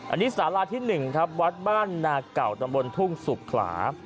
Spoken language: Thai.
อันนี้สาราที่๑ครับวัดบ้านนาเก่าตำบลทุ่งสุขลา